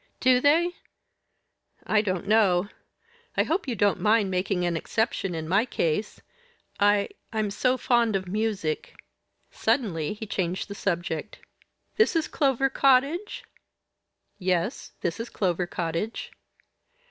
"Do they? I don't know. I hope you don't mind making an exception in my case. I I'm so fond of music." Suddenly he changed the subject. "This is Clover Cottage?" "Yes, this is Clover Cottage."